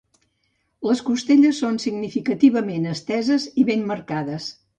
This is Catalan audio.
Les costelles són significativament esteses i ben marcades.